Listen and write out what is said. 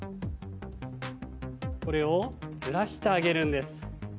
これをずらしてあげるんです。